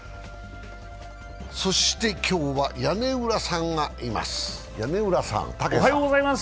そして今日は屋根裏さんがいます。